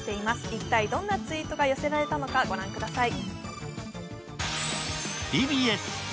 一体どんなツイートが寄せられたのか御覧ください。